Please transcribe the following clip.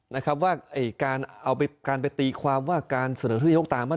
นะครับว่าเอ้ยการไปตีความว่าการเสนอทหรือยกตามว่า